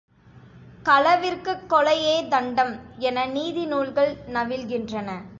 களவிற்குக் கொலையே தண்டம் என நீதி நூல்கள் நவில்கின்றன.